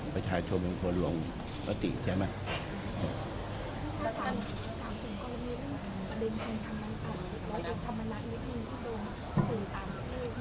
ประชาชนเป็นคนลงมติใช่ไหม